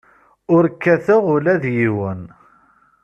Ur kkateɣ ula d yiwen.